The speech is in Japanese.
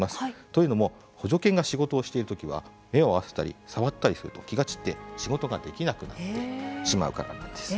というのも、補助犬が仕事をしているときは目を合わせたり触ったりすると気が散って、仕事ができなくなってしまうからなんです。